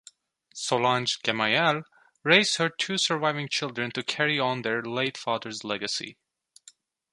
Solange Gemayel raised her two surviving children to carry on their late father's legacy.